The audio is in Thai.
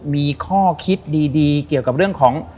มีข้อคิดดีเกี่ยวกับเรื่องของ